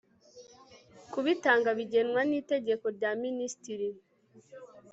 kubitanga bigenwa n iteka rya minisitiri